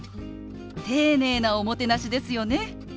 丁寧なおもてなしですよね。